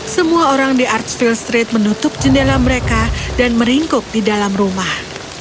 semua orang di artsfield street menutup jendela mereka dan meringkuk di dalam rumah